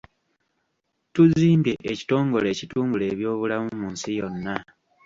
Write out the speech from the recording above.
Tuzimbye ekitongole ekitumbula ebyobulamu mu nsi yonna.